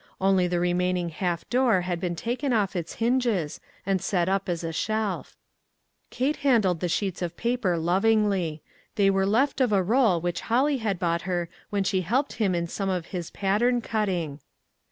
Only the remaining half door had been taken off its hinges, and set up as a shelf. Kate handled the sheets of paper lov ingly. They were left of a roll which Holly had bought her when she helped him~ in some of his pattern cutting.